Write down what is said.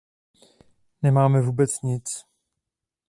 Nemáme vůbec nic.